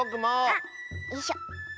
あっよいしょ。